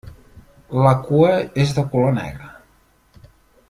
La cua és de color negre.